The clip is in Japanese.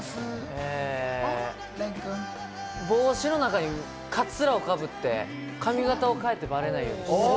えっと、帽子の中にカツラをかぶって、髪形を変えて、バレないようにする。